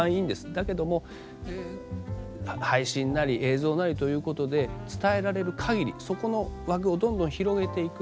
だけども配信なり映像なりということで伝えられる限りそこの枠をどんどん広げていく。